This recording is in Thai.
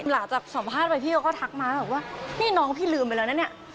หลังจากสัมภาษณ์ไปพี่ก็ทักมาว่านี่น้องพี่ลืมไปแล้วนะ